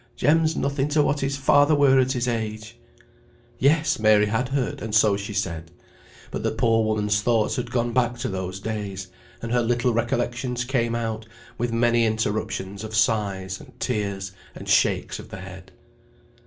Jem's nothing to what his father were at his age." Yes! Mary had heard, and so she said. But the poor woman's thoughts had gone back to those days, and her little recollections came out, with many interruptions of sighs, and tears, and shakes of the head.